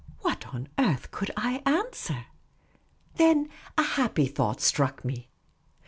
What on earth could I answer ? Then a happy thought struck me.